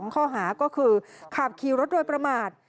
ข้อหาก็คือขับขี่รถโดยประมาท